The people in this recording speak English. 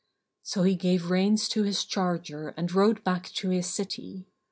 So he gave reins to his charger and rode back to his city.